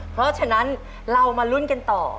เพราะฉะนั้นเรามาลุ้นกันต่อ